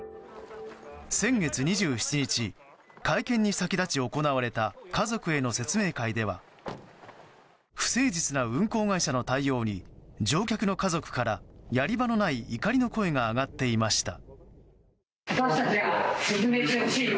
先月２７日会見に先立ち行われた家族への説明会では不誠実な運航会社の対応に乗客の家族からやり場のない怒りの声が上がっていました。